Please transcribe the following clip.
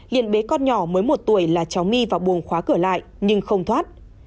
liền bé con nhỏ mới một tuổi là cháu my và buồn khóa cửa lại nhưng không thoát